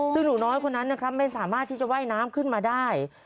ซึ่งหนูน้อยคนนั้นนะครับไม่สามารถที่จะว่ายน้ำขึ้นมาได้